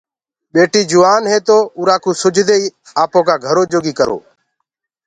ٻٽيٚ جوآن هي تو اُرا ڪو سُجھدي آپو ڪآ گھرو جوگي ڪرو۔